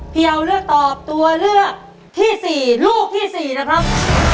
พี่เอาเลือกตอบตัวเลือกที่๔ลูกที่๔นะครับ